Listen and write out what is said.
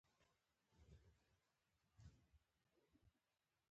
د پتهان لقب یې ورکړ.